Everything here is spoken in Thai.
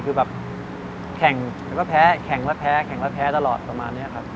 คือแบบแข่งแล้วก็แพ้แข่งแล้วแพ้แข่งแล้วแพ้ตลอดประมาณนี้ครับ